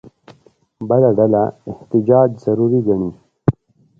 بله ډله ضروري احتیاج ګڼي.